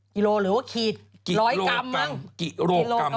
กิโลหรือว่าขีด๑๐๐กรัมมั้ง